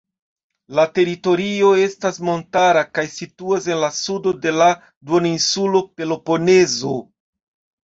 La teritorio estas montara kaj situas en la sudo de la duoninsulo Peloponezo.